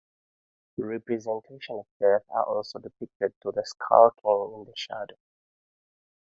Representations of death are also depicted to be skulking in the shadows.